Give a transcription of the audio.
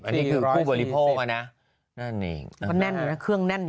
อันนี้คือผู้บริโภคอ่ะนะนั่นเองอ่ะเขาแน่นก็แน่นอ่ะคือแน่น